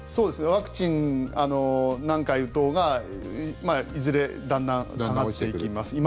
ワクチンを何回打とうがいずれだんだん下がってきます。